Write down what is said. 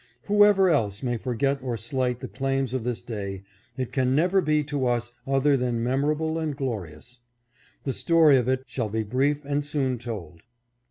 Whoever else may forget or slight the claims of this day, it can never be to us other than memorable and glorious. The story of it shall be brief and soon told.